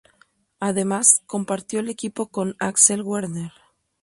Además compartió el equipo con Axel Werner.